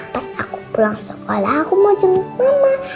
pas aku pulang sekolah aku mau jengu mama